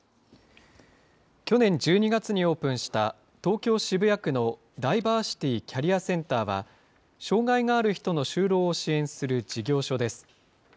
去年１２月にオープンした、東京・渋谷区のダイバーシティキャリアセンターは、障害がある人の就労を支援する事業所です。